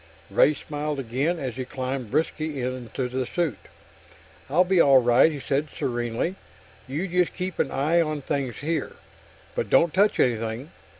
Ray smiled again, as he climbed briskly into the suit. "I'll be all right," he said serenely. "You just keep an eye on things here but don't touch anything.